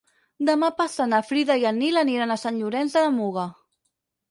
Demà passat na Frida i en Nil aniran a Sant Llorenç de la Muga.